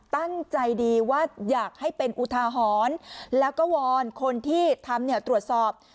ตั้งใจดีว่าอยากให้เป็นอุทาหรณ์แล้วก็วอนคนที่ทำเนี่ยตรวจสอบ